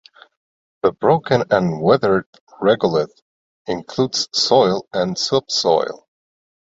The broken and weathered regolith includes soil and subsoil.